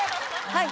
はい。